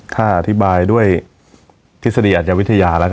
ถ้าอธิบายด้วยทฤษฎีอาจวิทยาแล้ว